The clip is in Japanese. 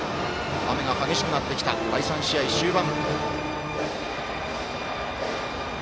雨が激しくなってきた第３試合終盤。